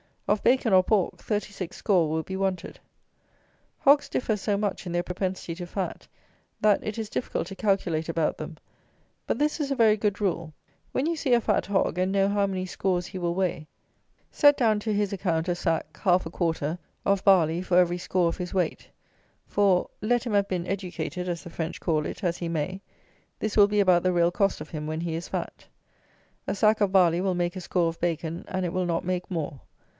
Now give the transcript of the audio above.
Of bacon or pork, 36 score will be wanted. Hogs differ so much in their propensity to fat, that it is difficult to calculate about them: but this is a very good rule: when you see a fat hog, and know how many scores he will weigh, set down to his account a sack (half a quarter) of barley for every score of his weight; for, let him have been educated (as the French call it) as he may, this will be about the real cost of him when he is fat. A sack of barley will make a score of bacon, and it will not make more.